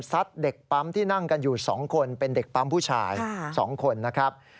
เด็กปั๊มที่นั่งกันอยู่๒คนเป็นเด็กปั๊มผู้ชาย๒คนนะครับ